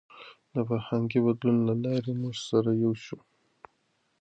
د فرهنګي بدلون له لارې موږ سره یو شو.